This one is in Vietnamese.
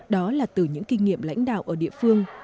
đó là từ những kinh nghiệm lãnh đạo ở địa phương